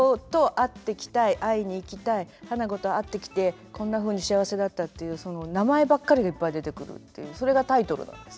会いに行きたい花子と会ってきてこんなふうに幸せだったっていうその名前ばっかりがいっぱい出てくるというそれがタイトルなんです。